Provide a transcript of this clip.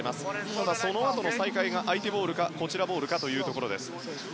ただ、そのあとの再開が相手ボールか、こちらボールかというところです。